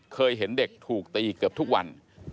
เคยเห็นเด็กถูกตีเกือบทุกวัน